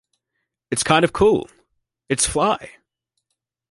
It's kind of cool, it's fly.